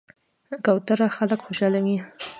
کوتره خلک خوشحالوي.